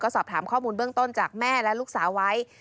สอบถามข้อมูลเบื้องต้นจากแม่และลูกสาวไว้